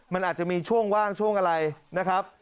มันอาจจะมีช่วงว่างช่วงอะไรนะครับ